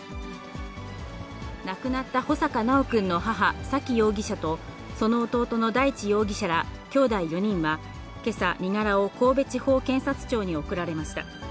亡くなった穂坂修くんの母、沙喜容疑者と、その弟の大地容疑者らきょうだい４人は、けさ、身柄を神戸地方検察庁に送られました。